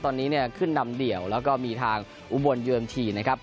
ตอนนี้เนี่ยขึ้นนำเดี่ยวแล้วก็มีทางอุบลเยือนทีนะครับ